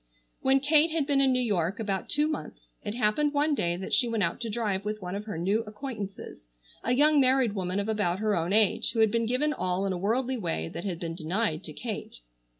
When Kate had been in New York about two months it happened one day that she went out to drive with one of her new acquaintances, a young married woman of about her own age, who had been given all in a worldly way that had been denied to Kate.